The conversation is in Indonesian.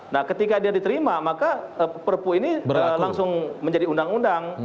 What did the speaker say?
nah ketika dia diterima maka perpu ini langsung menjadi undang undang